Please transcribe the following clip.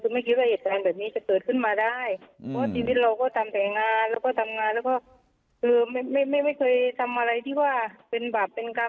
คือไม่คิดว่าเหตุการณ์แบบนี้จะเกิดขึ้นมาได้เพราะชีวิตเราก็ทำแต่งานแล้วก็ทำงานแล้วก็คือไม่ไม่เคยทำอะไรที่ว่าเป็นบาปเป็นกรรม